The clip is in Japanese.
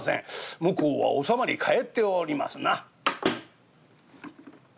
向こうはおさまり返っておりますな。